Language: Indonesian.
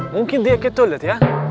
mungkin dia ke toilet ya